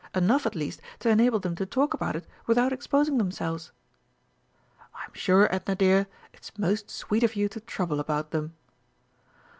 Enough, at least, to enable them to talk about it without exposing themselves." "I'm sure, Edna dear, it's most sweet of you to trouble about them."